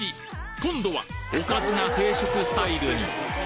今度は「おかず」が定食スタイルに！